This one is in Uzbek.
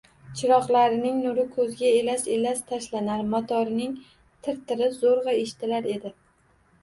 Chiroqlarining nuri koʻzga elas-elas tashlanar, motorining tir-tiri zoʻrgʻa eshitilar edi